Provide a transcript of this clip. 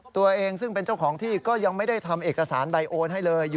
ตัวเองซึ่งเป็นเจ้าของที่ก็ยังไม่ได้ทำเอกสารใบโอนให้เลย